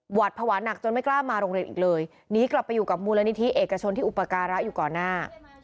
หวาดภาวะหนักจนไม่กล้ามาโรงเรียนอีกเลยหนีกลับไปอยู่กับมูลนิธิเอกชนที่อุปการะอยู่ก่อนหน้า